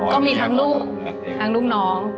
ก็มีทั้งลูกทั้งลูกน้อง